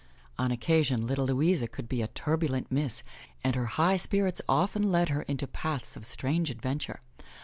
On occasion, little Louisa could be a turbulent miss and her high spirits often led her into paths of strange adventure.